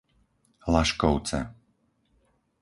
Laškovce